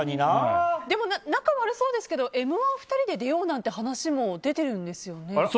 でも、仲が悪いそうですけど「Ｍ‐１」２人で出ようなんて話も出てるんですよね。